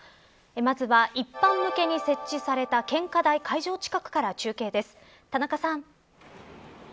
まずは一般向けに設置された献花台会場近くから中継です。